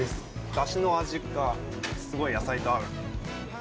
ダシの味がすごい野菜と合う。